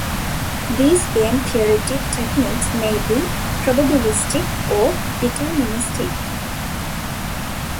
These game-theoretic techniques may be probabilistic or deterministic.